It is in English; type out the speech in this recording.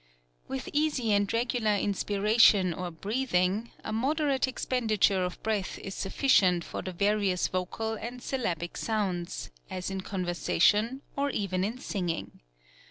"With easy and regular inspiration or breathing, a moderate expenditure of breath is sufficient for the various vocal and syl labic sounds, as in conversation, or even in singing.